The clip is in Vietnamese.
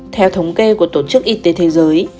theo thống kê của tổ chức y tế thế giới